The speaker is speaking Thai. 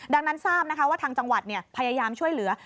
ดังนั้นทราบนะคะว่าทางจังหวัดพยายามช่วยเหลือ